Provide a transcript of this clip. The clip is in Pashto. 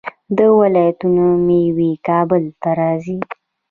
د ولایتونو میوې کابل ته راځي.